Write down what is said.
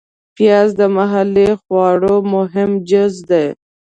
پیاز د محلي خواړو مهم جز دی